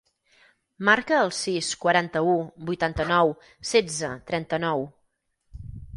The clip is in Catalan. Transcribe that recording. Marca el sis, quaranta-u, vuitanta-nou, setze, trenta-nou.